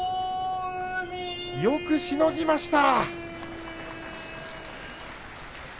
よくしのぎました。